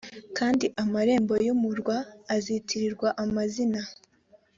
kandi amarembo y umurwa azitirirwa amazina